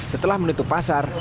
setelah menutup pasar